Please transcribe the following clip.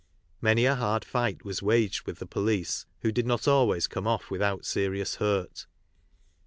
Many a hard fight was waged with the police, who did not always come off without serious hurt.